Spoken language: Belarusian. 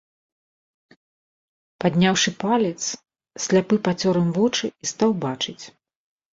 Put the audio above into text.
Падняўшы палец, сляпы пацёр ім вочы і стаў бачыць.